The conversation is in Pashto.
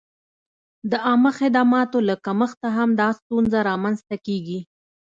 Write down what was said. د عامه خدماتو له کمښته هم دا ستونزه را منځته کېږي.